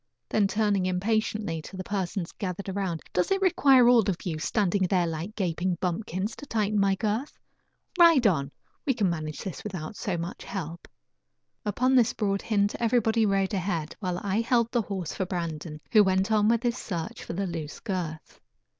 Then turning impatiently to the persons gathered around: "Does it require all of you, standing there like gaping bumpkins, to tighten my girth? Ride on; we can manage this without so much help." Upon this broad hint everybody rode ahead while I held the horse for Brandon, who went on with his search for the loose girth.